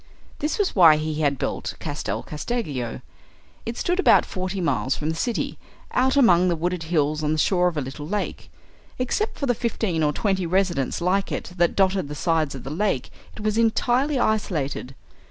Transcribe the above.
This was why he had built Castel Casteggio. It stood about forty miles from the city, out among the wooded hills on the shore of a little lake. Except for the fifteen or twenty residences like it that dotted the sides of the lake it was entirely isolated.